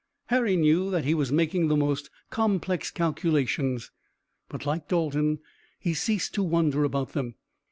Harry knew that he was making the most complex calculations, but like Dalton he ceased to wonder about them.